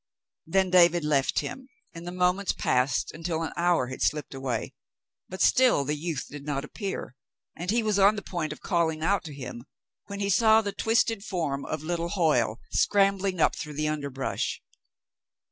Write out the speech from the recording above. Then David left him, and the moments passed until an hour had slipped away, but still the youth did not appear, and he was on the point of calling out to him, when he saw the twisted form of little Hoyle scrambling up through the underbrush.